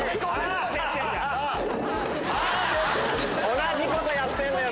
同じことやってんだよ。